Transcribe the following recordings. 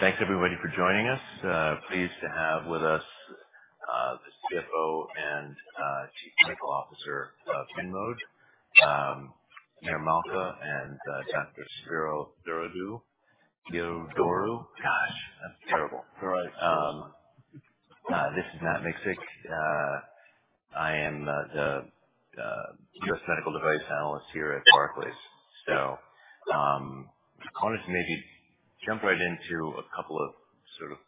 Thanks everybody for joining us. Pleased to have with us, the CFO and Chief Medical Officer of InMode, Yair Malca and Dr. Spero Theodorou. Theodorou? Gosh, that's terrible. Right. This is Matt Miksic. I am the U.S. medical device analyst here at Barclays. So, I want to maybe jump right into a couple of sort of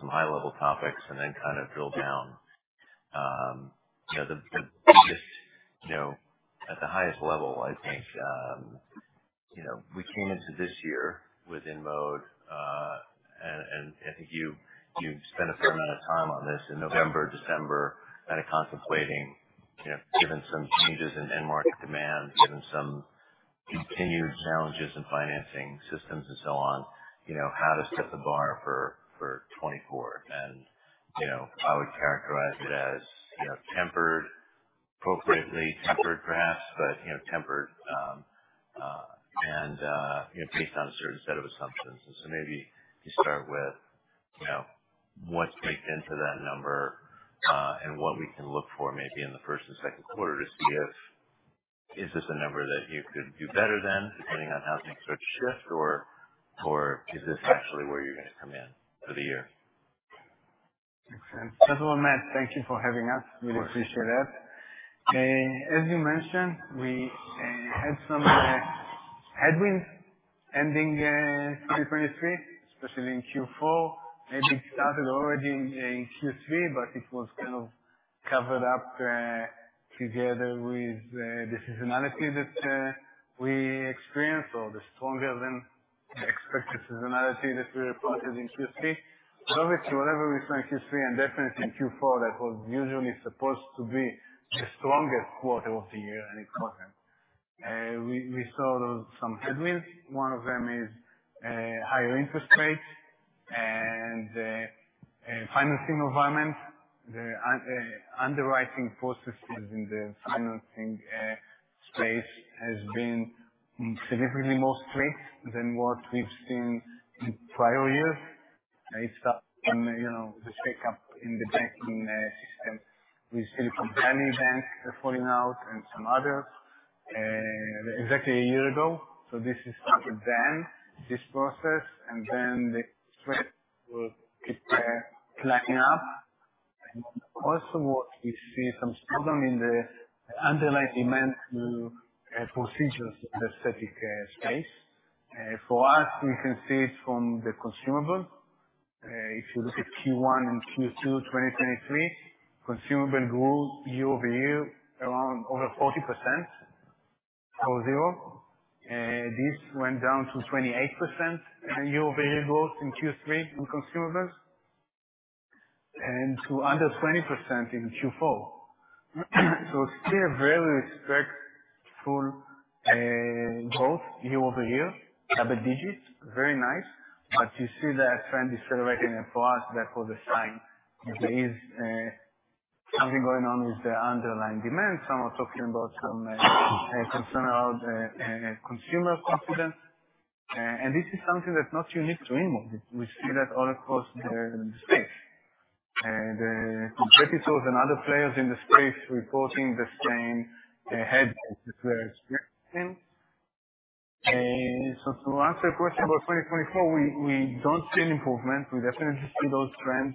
some high-level topics and then kind of drill down. You know, the biggest, you know, at the highest level, I think, you know, we came into this year with InMode, and I think you spent a fair amount of time on this in November, December, kind of contemplating, you know, given some changes in end market demand, given some continued challenges in financing systems and so on, you know, how to set the bar for 2024. You know, I would characterize it as, you know, tempered, appropriately tempered, perhaps, but you know, tempered. You know, based on a certain set of assumptions. Maybe you start with, you know, what's baked into that number, and what we can look for maybe in the first and second quarter to see if is this a number that you could do better than, depending on how things start to shift, or, or is this actually where you're going to come in for the year? Makes sense. First of all, Matt, thank you for having us. Of course. We appreciate that. As you mentioned, we had some headwinds ending 2023, especially in Q4. Maybe it started already in Q3, but it was kind of covered up together with the seasonality that we experienced or the stronger than expected seasonality that we reported in Q3. So basically whatever we saw in Q3 and definitely in Q4, that was usually supposed to be the strongest quarter of the year, and it wasn't. We saw those some headwinds. One of them is higher interest rates and financing environment. The underwriting processes in the financing space has been significantly more strict than what we've seen in prior years. It started from, you know, the shakeup in the banking system, with Silicon Valley Bank falling out and some others exactly a year ago. So this has started then, this process, and then the spread will keep climbing up. And also what we see some struggle in the underlying demand to procedures in the aesthetic space. For us, we can see it from the consumable. If you look at Q1 and Q2, 2023, consumable grew year-over-year, around over 40% or so. This went down to 28% year-over-year growth in Q3 in consumables, and to under 20% in Q4. So still a very respectful growth year-over-year, double digits. Very nice. But you see that trend decelerating, and for us, that was a sign that there is something going on with the underlying demand. Some are talking about some a concern around consumer confidence. And this is something that's not unique to InMode. We see that all across the space. The competitors and other players in the space reporting the same headwinds that we're experiencing. So to answer your question about 2024, we don't see an improvement. We definitely see those trends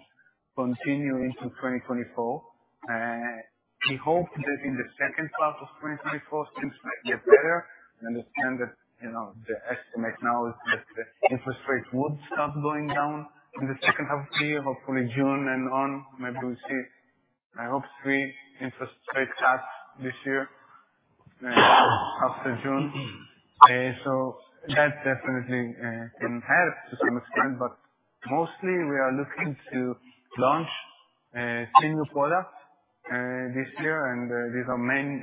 continue into 2024. We hope that in the second half of 2024, things might get better. We understand that, you know, the estimate now is that the interest rates would start going down in the second half of the year, hopefully June and on. Maybe we'll see, I hope, three interest rate cuts this year after June. So that definitely can help to some extent, but mostly we are looking to launch three new products this year, and these are main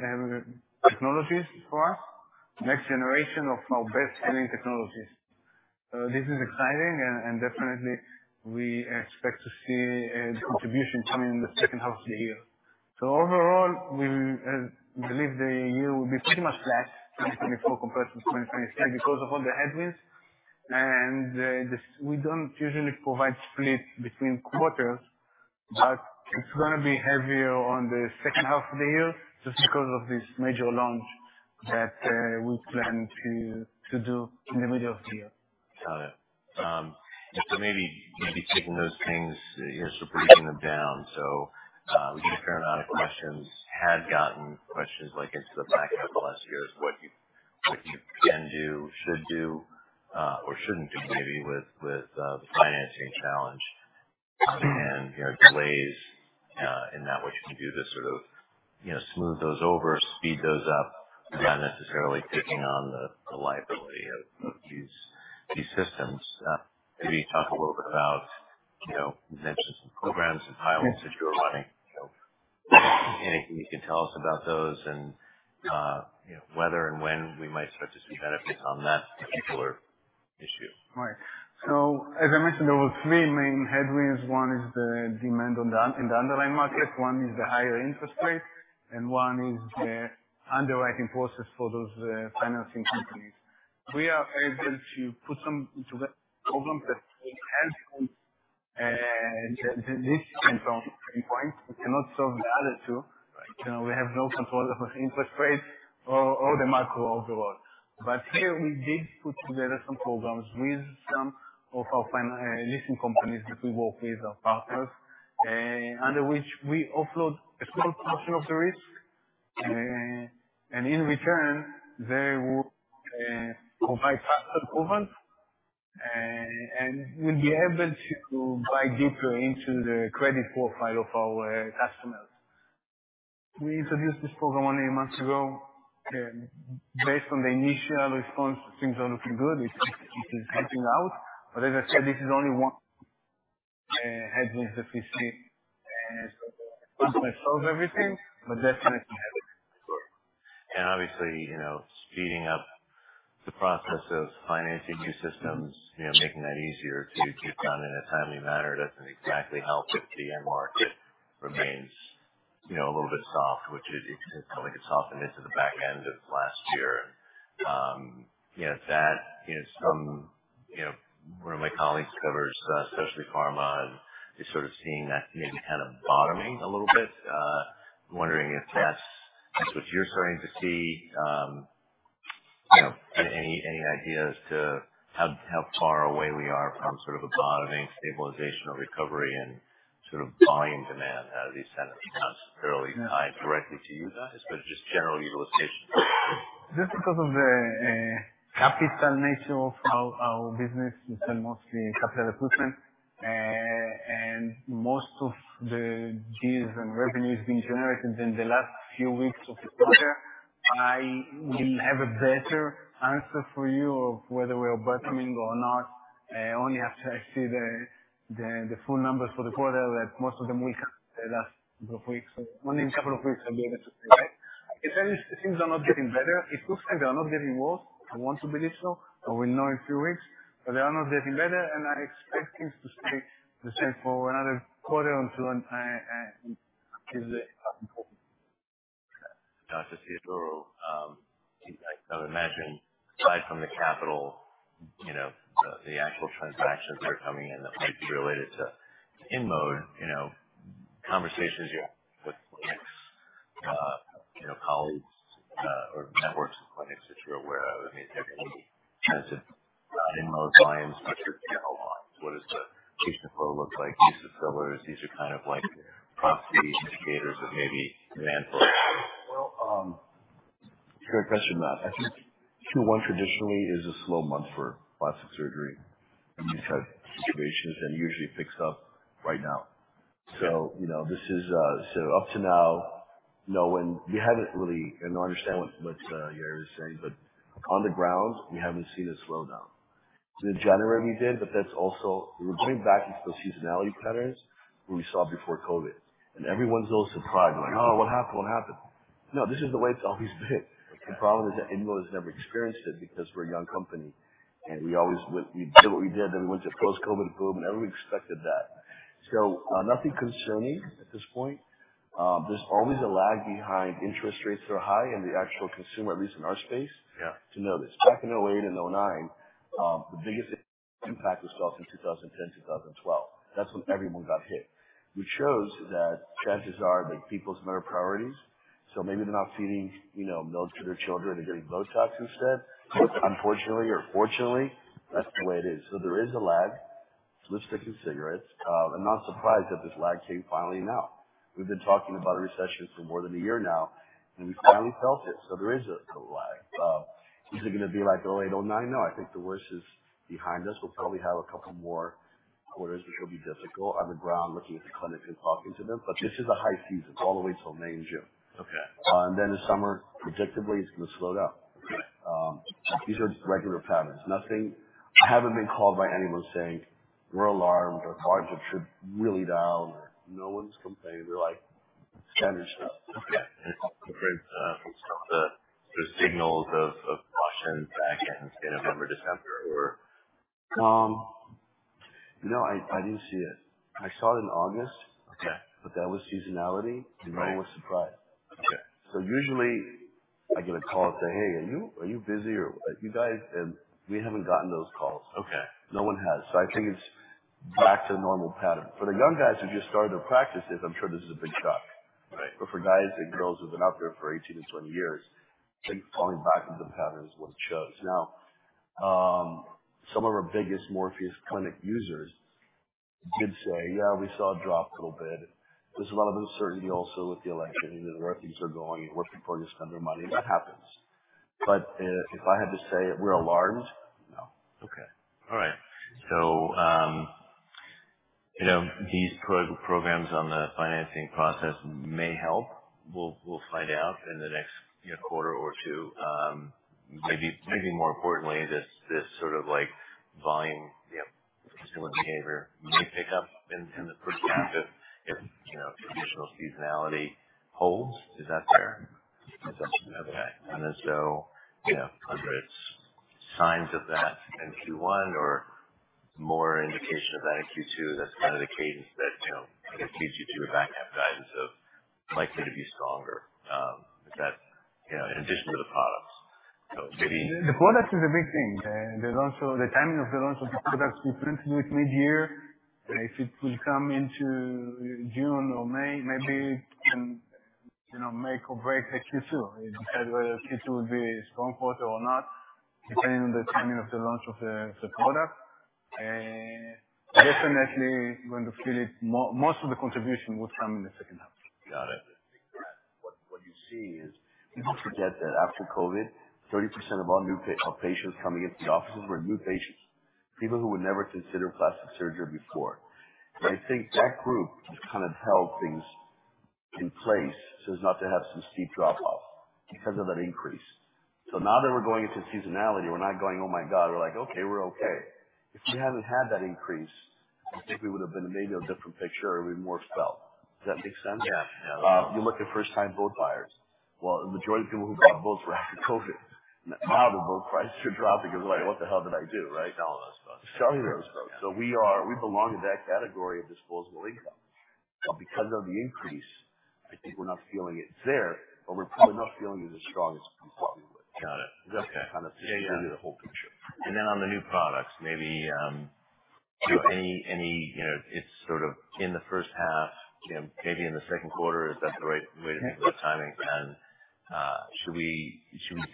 technologies for us, next generation of our best-selling technologies. So this is exciting, and definitely we expect to see a contribution coming in the second half of the year. So overall, we believe the year will be pretty much flat, 2024 compared to 2023, because of all the headwinds. And this, we don't usually provide split between quarters, but it's gonna be heavier on the second half of the year, just because of this major launch that we plan to do in the middle of the year. Got it. So maybe, maybe taking those things, you know, sort of breaking them down. So, we get a fair amount of questions, had gotten questions like into the back half of last year. What you, what you can do, should do, or shouldn't do, maybe with, with, the financing challenge and, you know, delays, and now what you can do to sort of, you know, smooth those over, speed those up, without necessarily taking on the, the liability of, of these, these systems. Maybe talk a little bit about, you know, you mentioned some programs and pilots that you are running. So anything you can tell us about those and, you know, whether and when we might start to see benefits on that particular issue? Right. So as I mentioned, there were three main headwinds. One is the demand in the underlying market, one is the higher interest rate, and one is the underwriting process for those financing companies. We are able to put some into the problems that will help. From this standpoint, we cannot solve the other two, right? You know, we have no control over interest rates or the macro overall. But here we did put together some programs with some of our financing leasing companies that we work with, our partners, under which we offload a small portion of the risk. And in return, they will provide faster approval, and we'll be able to buy deeper into the credit profile of our customers. We introduced this program only a month ago. Based on the initial response, things are looking good. It's, it is helping out, but as I said, this is only one headwind that we see, not gonna solve everything, but definitely have it. And obviously, you know, speeding up the process of financing new systems, you know, making that easier to, to get done in a timely manner, doesn't exactly help if the end market remains, you know, a little bit soft, which it, it certainly softened into the back end of last year. You know, one of my colleagues covers specialty pharma, and is sort of seeing that maybe kind of bottoming a little bit. Wondering if that's, that's what you're starting to see. You know, any, any idea as to how, how far away we are from sort of a bottoming, stabilization, or recovery, and sort of volume demand out of these centers? Not fairly tied directly to you guys, but just general utilization. Just because of the capital nature of our business, we sell mostly capital equipment. Most of the deals and revenues being generated in the last few weeks of the quarter, I will have a better answer for you of whether we are bottoming or not, only after I see the full numbers for the quarter, that most of them will come the last couple of weeks. Only in a couple of weeks I'll be able to say, right? I can tell you, things are not getting better. It looks like they are not getting worse. I want to believe so, and we'll know in a few weeks, but they are not getting better, and I expect things to stay the same for another quarter or two, until they come forward. Gotcha. So, I would imagine, aside from the capital, you know, the actual transactions that are coming in that might be related to InMode, you know, conversations you have with clinics, you know, colleagues, or networks of clinics that you're aware of. I mean, are there any trends in InMode volumes, but just in general, what does the patient flow look like? Use of fillers, these are kind of like proxy indicators of maybe demand for it? Well, great question, Matt. I think Q1 traditionally is a slow month for plastic surgery, and these type of innovations, and it usually picks up right now. So up to now, no one, we haven't really, and I understand what you're saying, but on the ground, we haven't seen a slowdown. So in January, we did, but that's also, we're going back into the seasonality patterns we saw before COVID. And everyone's a little surprised, like, "Oh, what happened? What happened?" No, this is the way it's always been. The problem is that anyone has never experienced it because we're a young company, and we always, we did what we did, then we went to a post-COVID boom, and everybody expected that. So, nothing concerning at this point. There's always a lag behind. Interest rates are high, and the actual consumer, at least in our space. Yeah. You know this. Back in 2008 and 2009, the biggest impact was felt in 2010, 2012. That's when everyone got hit. Which shows that chances are, like, people's mirror priorities. So maybe they're not feeding, you know, meals to their children, they're getting Botox instead. Unfortunately or fortunately, that's the way it is. So there is a lag with lipsticks and cigarettes. I'm not surprised that this lag came finally now. We've been talking about a recession for more than a year now, and we finally felt it, so there is a lag. Is it gonna be like 2008, 2009? No, I think the worst is behind us. We'll probably have a couple more quarters, which will be difficult on the ground, looking at the clinics and talking to them. But this is a high season all the way till May and June. Okay. And then the summer, predictably, it's gonna slow down. Okay. These are regular patterns. Nothing, I haven't been called by anyone saying, "We're alarmed. Our charges are really down." No one's complaining. They're like, standard stuff. Okay. From some of the signals of caution back in November, December, or? No, I didn't see it. I saw it in August. Okay. But that was seasonality. Right. No one was surprised. Okay. So usually I get a call and say, "Hey, are you, are you busy, or are you guys?" And we haven't gotten those calls. Okay. No one has. So I think it's back to the normal pattern. For the young guys who just started to practice this, I'm sure this is a big shock. Right. But for guys and girls who've been out there for 18-20 years, I think falling back into the pattern is what it shows. Now, some of our biggest Morpheus clinic users did say, "Yeah, we saw a drop a little bit." There's a lot of uncertainty also with the election, and the refugees are going, and working poor just spend their money, and that happens. But, if I had to say we're alarmed, no. Okay. All right. So, you know, these programs on the financing process may help. We'll find out in the next, you know, quarter or two. Maybe more importantly, this sort of, like, volume consumer behavior may pick up in the first half if you know traditional seasonality holds. Is that fair? Is that something that, and if so, you know, whether it's signs of that in Q1 or more indication of that in Q2, that's kind of the cadence that, you know, it keeps you to your back half guidance of likely to be stronger, that, you know, in addition to the products. So maybe. The product is a big thing. The timing of the launch of the product we planned to do it mid-year. If it will come into June or May, maybe it can, you know, make or break Q2. It decide whether Q2 will be a strong quarter or not, depending on the timing of the launch of the product. And definitely going to feel it. Most of the contribution will come in the second half. Got it. What you see is, people forget that after COVID, 30% of all new patients coming into the offices were new patients, people who would never consider plastic surgery before. I think that group has kind of held things in place, so as not to have some steep drop-off because of that increase. Now that we're going into seasonality, we're not going, "Oh, my God!" We're like, "Okay, we're okay." If we hadn't had that increase, I think we would have been in maybe a different picture, and we're more set. Does that make sense? Yeah. You look at first time boat buyers. Well, the majority of people who bought boats were after COVID. Now, the boat prices are dropping and like, "What the hell did I do?" Right? No, that's right. Selling those boats. So we belong in that category of disposable income. But because of the increase, I think we're not feeling it there, but we're probably not feeling it as strong as we thought we would. Got it. Okay. Kind of the whole picture. And then on the new products, maybe, so any, you know, it's sort of in the first half, you know, maybe in the second quarter. Is that the right way to think about timing? And, should we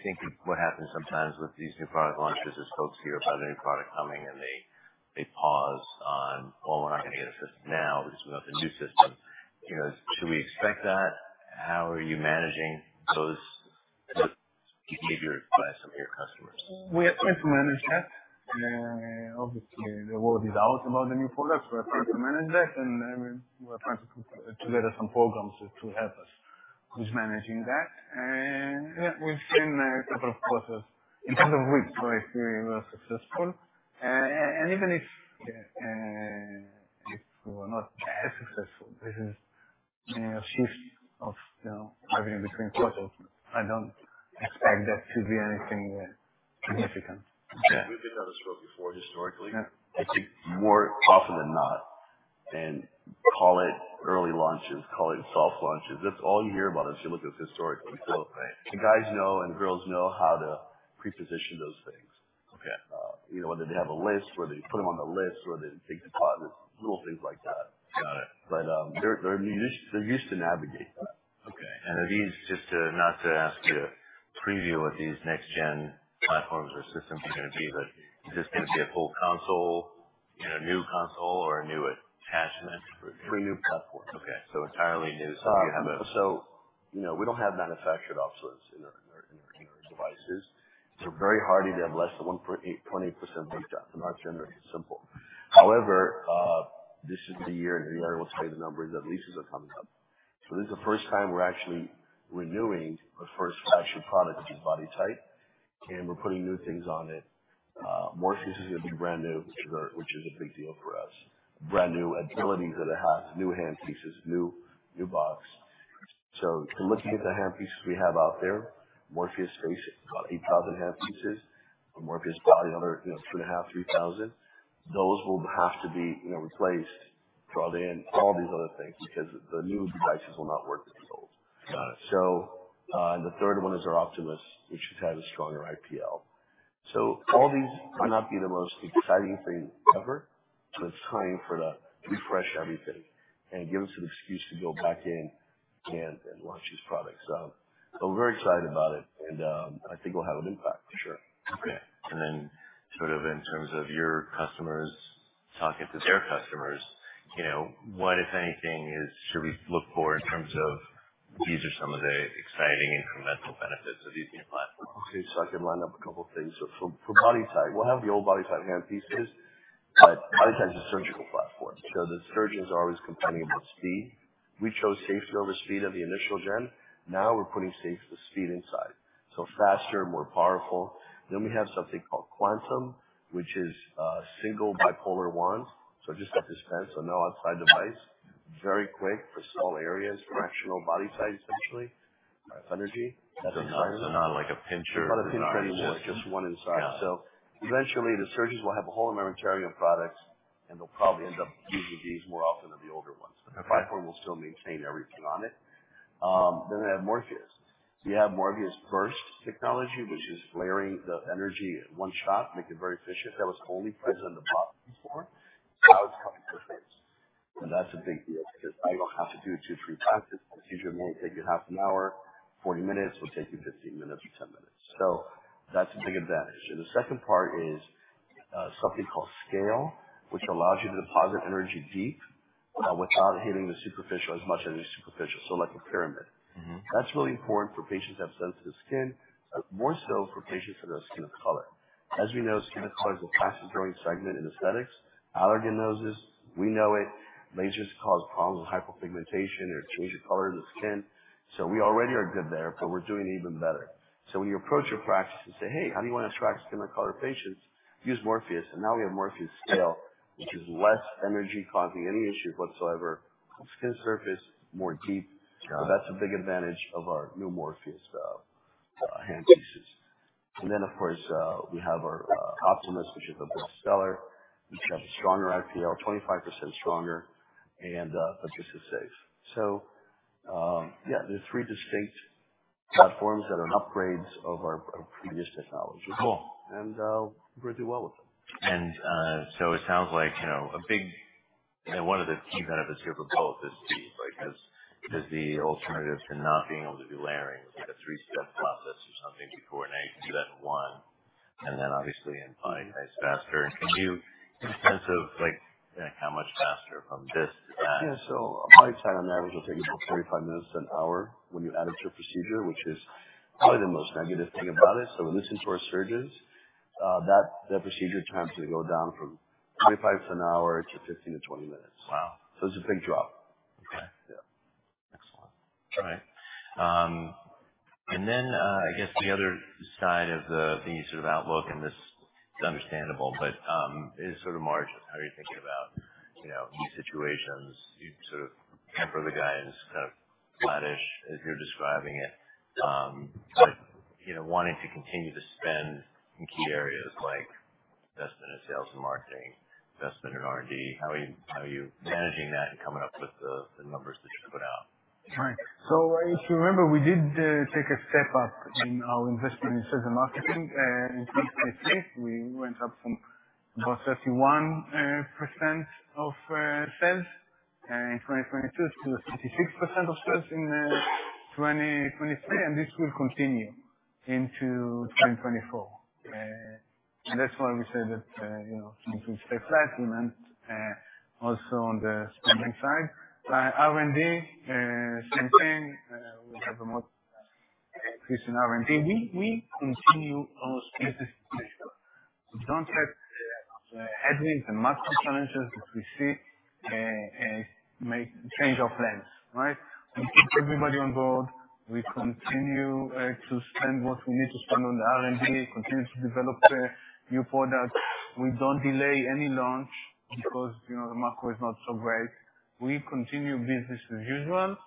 think of what happens sometimes with these new product launches, as folks hear about a new product coming and they pause on, "Well, we're not going to get a system now, because we have the new system." You know, should we expect that? How are you managing those behavior by some of your customers? We are trying to manage that. Obviously, the word is out about the new products. We are trying to manage that, and then we're trying to get us some programs to help us with managing that. We've seen a couple of processes in terms of which way we were successful. Even if we were not as successful, this is a shift of, you know, having between quarters. I don't expect that to be anything significant. Okay. We did have a stroke before, historically. I think more often than not, and call it early launches, call it soft launches. That's all you hear about as you look at historically. Right. The guys know and girls know how to pre-position those things. Okay. You know, whether they have a list, where they put them on the list, whether they take deposits, little things like that. Got it. But, they're used to navigate that. Okay. And are these just to, not to ask you to preview what these next gen platforms or systems are going to be, but is this going to be a whole console? You know, new console or a new attachment for three new consoles. Okay. So entirely new. So you have them. So, you know, we don't have manufactured obsolescence in our, in our devices. They're very hardy. They have less than 20% breakdown. They're not generally simple. However, this is the year, and Yair will tell you the numbers, that leases are coming up. So this is the first time we're actually renewing the first batch of products in BodyTite, and we're putting new things on it. Morpheus is going to be brand new, which is a big deal for us. Brand new abilities that it has, new handpieces, new box. So looking at the handpieces we have out there, Morpheus Face, about 8,000 handpieces, and Morpheus Body, another, you know, 2,500-3,000. Those will have to be, you know, replaced to add in all these other things, because the new devices will not work with the old. Got it. So, the third one is our Optimas, which has had a stronger IPL. So all these might not be the most exciting thing ever, but it's time for to refresh everything and give us an excuse to go back in and launch these products. So we're very excited about it, and I think it will have an impact for sure. Okay. And then, sort of in terms of your customers talking to their customers, you know, what, if anything, is should we look for in terms of these are some of the exciting incremental benefits of these new platforms? Okay. So I can line up a couple of things. So for BodyTite, we'll have the old BodyTite handpieces, but BodyTite is a surgical platform, so the surgeons are always complaining about speed. We chose safety over speed of the initial gen. Now we're putting safety with speed inside, so faster and more powerful. Then we have something called Quantum, which is a single bipolar wand. So it just got dispensed, so no outside device. Very quick for small areas, fractional BodyTite, essentially, of energy. So not like a pincher. Not a pincher anymore, just one inside. Got it. Eventually, the surgeons will have a whole armamentarium of products, and they'll probably end up using these more often than the older ones. Okay. The bipolar will still maintain everything on it. Then they have Morpheus. So you have Morpheus Burst technology, which is flaring the energy in one shot, make it very efficient. That was only present on the Body before. Now, it's coming to face. And that's a big deal, because I don't have to do two, three passes. The procedure may take you half an hour, 40 minutes, will take you 15 minutes or 10 minutes. So that's a big advantage. And the second part is, something called Scale, which allows you to deposit energy deep, without hitting the superficial as much as the superficial. So like a pyramid. Mm-hmm. That's really important for patients who have sensitive skin, but more so for patients with skin of color. As we know, skin of color is a fast-growing segment in aesthetics. Allergan knows this. We know it. Lasers cause problems with hyperpigmentation or change the color of the skin. So we already are good there, but we're doing even better. So when you approach a practice and say, "Hey, how do you want to attract skin of color patients? Use Morpheus." And now we have Morpheus Scale, which is less energy, causing any issue whatsoever, skin surface, more deep. Got it. So that's a big advantage of our new Morpheus handpieces. And then, of course, we have our Optimas, which is a bestseller, which has a stronger IPL, 25% stronger, and but just as safe. So, yeah, there are three distinct platforms that are upgrades of our previous technology. Cool. We do well with them. And, so it sounds like, you know, a big, and one of the key benefits here for both is the, like, as, as the alternative to not being able to do layering, like a three-step process or something before, now you can do that in one, and then obviously it applies faster. And can you, in terms of, like, how much faster from this to that? Yeah. So our BodyTite on average will take you from 45 minutes to an hour when you add it to a procedure, which is probably the most negative thing about it. So when listening to our surgeons, procedure times will go down from 25 to an hour to 15 minutes-20 minutes. Wow! It's a big drop. Okay. Yeah. Excellent. All right. And then, I guess the other side of the sort of outlook, and this is understandable, but, is sort of margins. How are you thinking about, you know, in these situations, you sort of temper the guidance, kind of flattish, as you're describing it, but, you know, wanting to continue to spend in key areas like investment in sales and marketing, investment in R&D. How are you managing that and coming up with the numbers that you put out? Right. So if you remember, we did take a step up in our investment in sales and marketing. In 2023, we went up from about 31% of sales in 2022, to 36% of sales in 2023, and this will continue into 2024. And that's why we say that, you know, things will stay flat, we meant also on the spending side. R&D, same thing. We have a more increase in R&D. We continue our business as usual. We don't let the headwinds and market challenges that we see make change our plans, right? We keep everybody on board. We continue to spend what we need to spend on the R&D, continue to develop new products. We don't delay any launch because, you know, the market is not so great. We continue business as usual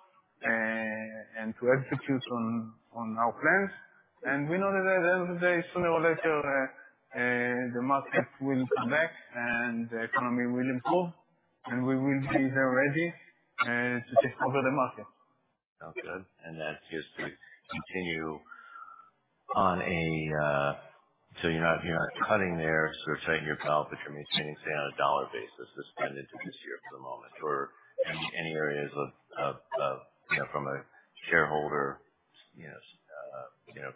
and to execute on our plans. We know that at the end of the day, sooner or later, the market will come back, and the economy will improve, and we will be there ready to take over the market. Sounds good. That's just to continue on. So you're not cutting there, sort of tightening your belt, but you're maintaining, say, on a dollar basis, the spend into this year at the moment, or any areas of, you know, from a shareholder, you know,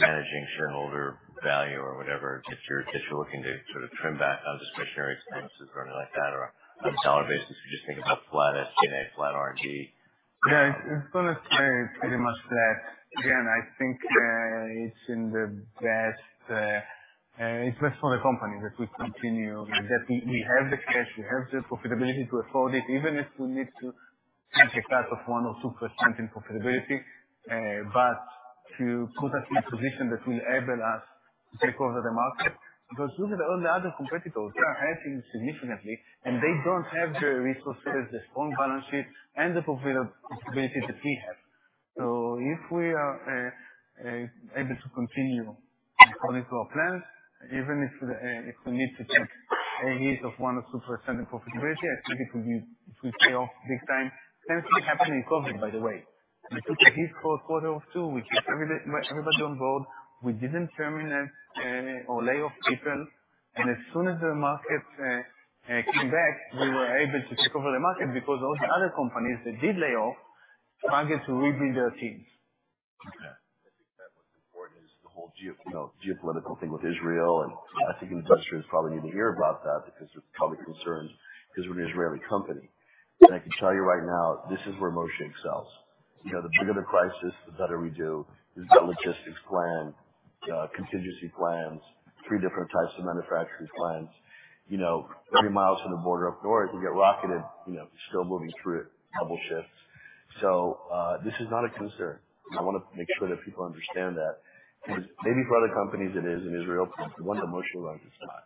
managing shareholder value or whatever, that you're looking to sort of trim back on discretionary expenses or anything like that, or on a dollar basis, you just think about flat SG&A, flat R&D? Yeah. It's gonna stay pretty much flat. Again, I think, it's in the best, it's best for the company, that we continue, that we, we have the cash, we have the profitability to afford it, even if we need to take a cut of 1% or 2% in profitability, but to put us in a position that will enable us to take over the market. Because look at all the other competitors, they are acting significantly, and they don't have the resources, the strong balance sheet, and the profitability that we have. So if we are, able to continue according to our plans, even if, if we need to take a hit of 1% or 2% in profitability, I think it will be, it will pay off big time. Same thing happened in COVID, by the way. We took a hit for a quarter or two. We kept everybody on board. We didn't terminate or lay off people. And as soon as the market came back, we were able to take over the market, because all the other companies that did lay off struggled to rebuild their teams. Okay. I think that what's important is the whole geo, you know, geopolitical thing with Israel, and I think investors probably need to hear about that because it's probably a concern, because we're an Israeli company. I can tell you right now, this is where Moshe excels. You know, the bigger the crisis, the better we do. We've got logistics plans, contingency plans, three different types of manufacturing plants. You know, 30 mi from the border up north, we get rocketed, you know, still moving through it, double shifts. So, this is not a concern. I wanna make sure that people understand that. Because maybe for other companies it is in Israel, but we want the emotions to not.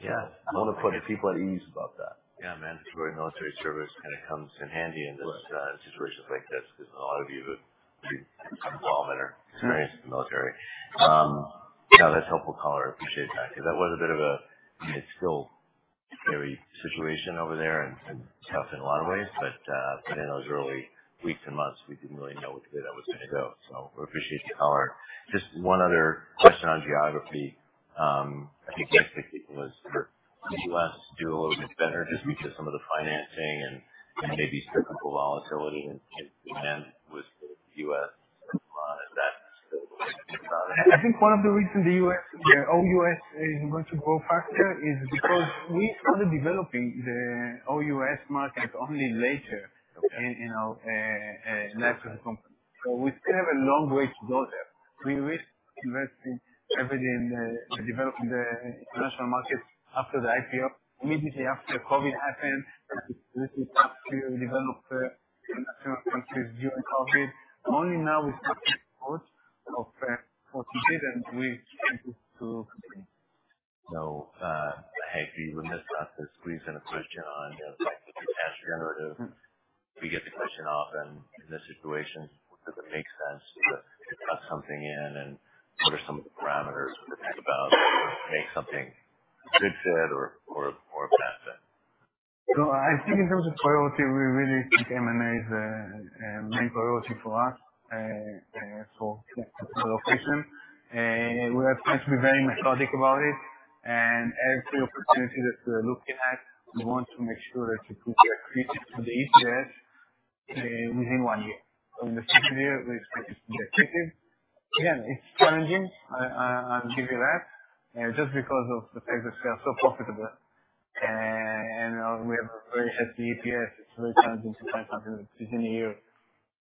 Yeah. I want to put people at ease about that. Yeah, man, that's where military service kind of comes in handy in this, situations like this. There's a lot of you have involvement or experience in the military. Yeah, that's helpful, color. I appreciate that, because that was a bit of a scary situation over there and, and tough in a lot of ways, but, but in those early weeks and months, we didn't really know which way that was gonna go. So we appreciate the color. Just one other question on geography. I think the idea was, did U.S. do a little bit better just because some of the financing and, and maybe cyclical volatility and, and demand with the U.S. on that? I think one of the reasons the U.S., the O.U.S. is going to grow faster is because we started developing the O.U.S. market only later. Okay. You know, last year as a company. So we still have a long way to go there. We were investing heavily in developing the international markets after the IPO. Immediately after COVID happened, we developed international countries during COVID. Only now we have most of what we did, and we went to. Hey, we missed this. Please send a question on cash generative. We get the question often in this situation: does it make sense to cut something in, and what are some of the parameters we think about to make something a good fit or a bad fit? So I think in terms of priority, we really think M&A is a main priority for us, for acquisition. We are trying to be very methodical about it, and every opportunity that we're looking at, we want to make sure that we put the accretive to the EPS within one year. In the first year, we expect the accretive. Again, it's challenging, I'll give you that, just because of the fact that we are so profitable and we have a very healthy EPS. It's very challenging to find something within a year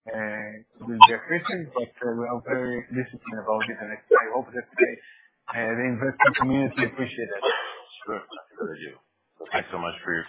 that will be accretive, but we are very disciplined about it, and I hope that the investment community appreciate it. Sure. I agree with you. Thanks so much for your time.